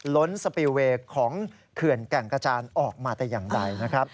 ล้นสปีลเวย์ของเขื่อนแก่งกระจานออกมาแต่อย่างใดนะครับ